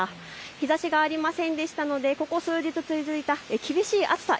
日ざしがありませんでしたのでここ数日続いた厳しい暑さ